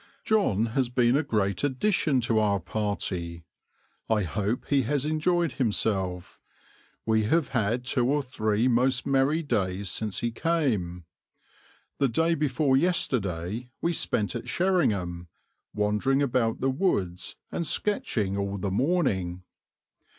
John has been a great addition to our party. I hope he has enjoyed himself; we have had two or three most merry days since he came. The day before yesterday we spent at Sherringham, wandering about the woods and sketching all the morning.